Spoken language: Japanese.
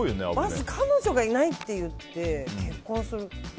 まず彼女がいないって言って結婚する。